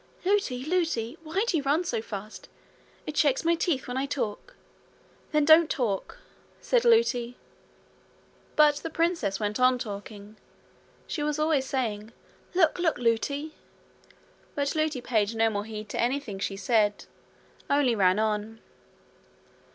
'Lootie! Lootie! why do you run so fast? It shakes my teeth when I talk.' 'Then don't talk,' said Lootie. 'But the princess went on talking. She was always saying: 'Look, look, Lootie!' but Lootie paid no more heed to anything she said, only ran on.